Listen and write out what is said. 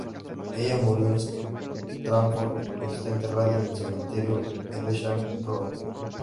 Ella murió en Stratford y está enterrada en el cementerio Evesham Road.